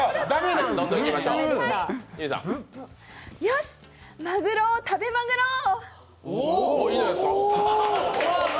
よし、まぐろを食べまぐろう！